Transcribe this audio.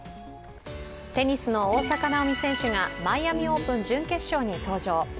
テニスの大坂なおみ選手がマイアミオープン準決勝に登場。